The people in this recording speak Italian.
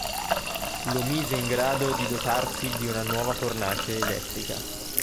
Lo mise in grado di dotarsi di una nuova fornace elettrica.